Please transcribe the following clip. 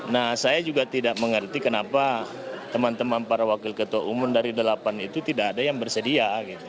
nah saya juga tidak mengerti kenapa teman teman para wakil ketua umum dari delapan itu tidak ada yang bersedia